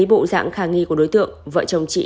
bộ dạng khả nghi của đối tượng vợ chồng chị